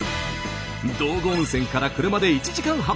道後温泉から車で１時間半。